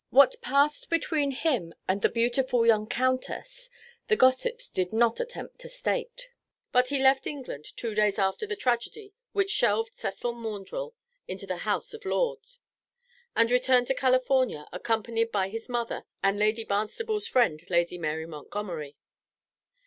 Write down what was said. What passed between him and the beautiful young countess the gossips did not attempt to state, but he left England two days after the tragedy which shelved Cecil Maundrell into the House of Lords, and returned to California accompanied by his mother and Lady Barnstaple's friend, Lady Mary Montgomery.